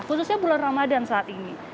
khususnya bulan ramadan saat ini